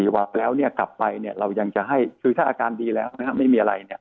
วักแล้วกลับไปเรายังจะให้คือถ้าอาการดีแล้วไม่มีอะไร